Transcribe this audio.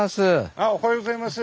あおはようございます。